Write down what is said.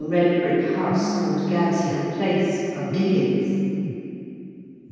red brick house, called Gad's Hill Place, of Dickens.